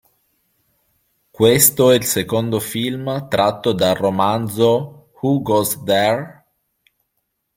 Questo è il secondo film tratto dal romanzo "Who Goes There?